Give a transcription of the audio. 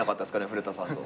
古田さんと。